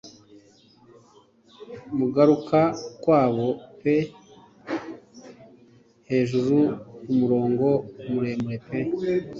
Mugaruka kwabo pe hejuru kumurongo muremure pe